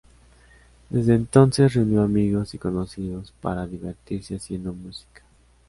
Desde entonces reunió amigos y conocidos para divertirse haciendo música.